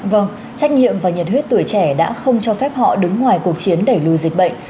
vâng trách nhiệm và nhiệt huyết tuổi trẻ đã không cho phép họ đứng ngoài cuộc chiến đẩy lùi dịch bệnh